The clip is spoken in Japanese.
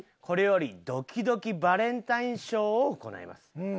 これよりドキドキバレンタインショーを行います。